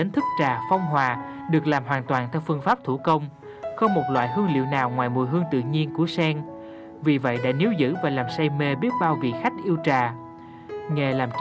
thật ra anh sáng là cái đầu của bạn ấy căng lên